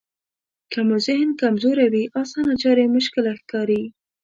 که مو ذهن کمزوری وي اسانه چارې مشکله ښکاري.